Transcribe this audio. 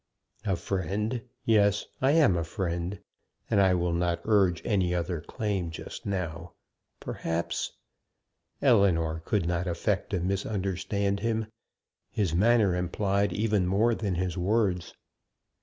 "A friend! Yes, I am a friend; and I will not urge any other claim just now. Perhaps " Ellinor could not affect to misunderstand him. His manner implied even more than his words.